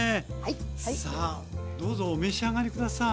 さあどうぞお召し上がり下さい。